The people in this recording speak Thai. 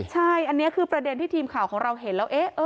ใช่อันนี้คือประเด็นที่ทีมข่าวของเราเห็นแล้ว